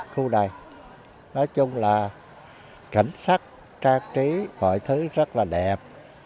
khu này nói chung là cảnh sắc trang trí mọi thứ rất là đẹp